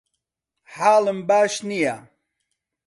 حاڵم باش نییە.